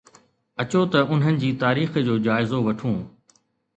اچو ته انهن جي تاريخ جو جائزو وٺون